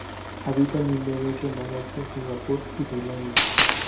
Habita en Indonesia, Malasia, Singapur y Tailandia.